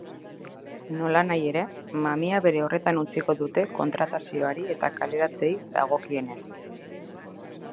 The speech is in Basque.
Nolanahi ere, mamia bere horretan utziko dute kontratazioari eta kaleratzeei dagokienez.